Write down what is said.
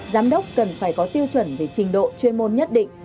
giám đốc cần phải có tiêu chuẩn về trình độ chuyên môn nhất định